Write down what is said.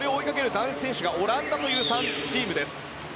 男子選手がオランダという３チームです。